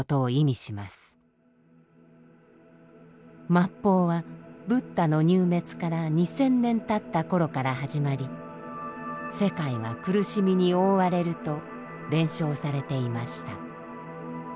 末法はブッダの入滅から２，０００年たった頃から始まり世界は苦しみに覆われると伝承されていました。